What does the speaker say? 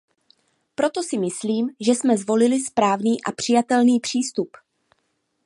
Proto si myslím, že jsme zvolili správný a přijatelný přístup.